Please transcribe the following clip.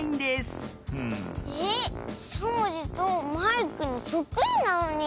えしゃもじとマイクにそっくりなのに。